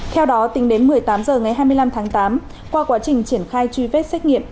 theo đó tính đến một mươi tám h ngày hai mươi năm tháng tám qua quá trình triển khai truy vết xét nghiệm